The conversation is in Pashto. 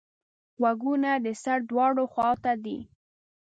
غوږونه د سر دواړو خواوو ته دي